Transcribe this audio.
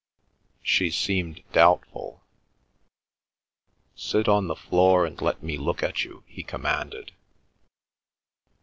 She seemed doubtful. "Sit on the floor and let me look at you," he commanded.